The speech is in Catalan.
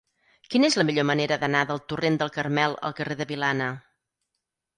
Quina és la millor manera d'anar del torrent del Carmel al carrer de Vilana?